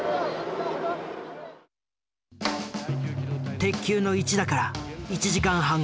鉄球の一打から１時間半後。